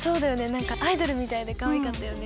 なんかアイドルみたいでかわいかったよね。